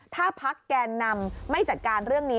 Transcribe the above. ถ้าพักแกนนำไม่จัดการเรื่องนี้